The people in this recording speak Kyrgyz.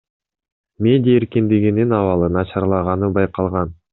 Медиа эркиндигинин абалы начарлаганы байкалган.